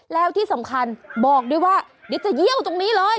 แล้วที่สำคัญบอกด้วยว่าเดี๋ยวจะเยี่ยวตรงนี้เลย